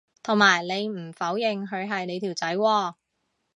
同埋你唔否認佢係你條仔喎